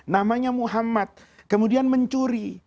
namanya muhammad kemudian mencuri